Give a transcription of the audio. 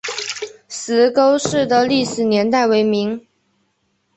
石沟寺的历史年代为明。